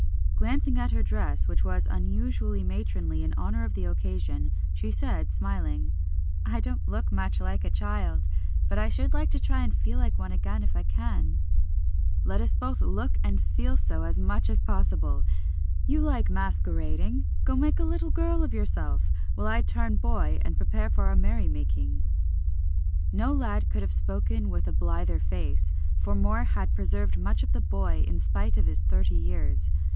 Glancing at her dress, which was unusually matronly in honor of the occasion, she said smiling "I don't look much like a child, but I should like to try and feel like one again if I can." "Let us both look and feel so as much as possible. You like masquerading; go make a little girl of yourself, while I turn boy, and prepare for our merry making." No lad could have spoken with a blither face, for Moor had preserved much of the boy in spite of his thirty years.